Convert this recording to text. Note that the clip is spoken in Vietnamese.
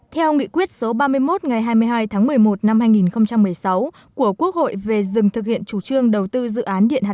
theo nghị quyết số ba mươi một ngày hai mươi hai tháng một mươi một năm hai nghìn một mươi sáu của quốc hội về dừng thực hiện chủ trương đầu tư dự án điện hạt nhân ninh thuận